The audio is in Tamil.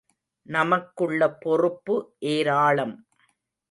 நமக்குள்ள பொறுப்பு ஏராளம்.